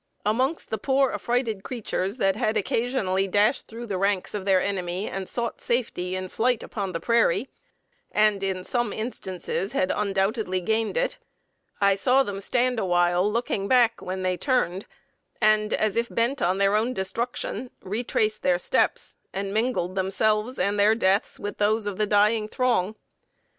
Amongst the poor affrighted creatures that had occasionally dashed through the ranks of their enemy and sought safety in flight upon the prairie (and in some instances had undoubtedly gained it), I saw them stand awhile, looking back, when they turned, and, as if bent on their own destruction, retraced their steps, and mingled themselves and their deaths with those of the dying throng.